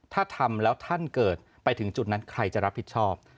ถ้าทำแล้วท่านเกิดไปถึงจุดนั้นใครจะรับผิดชอบ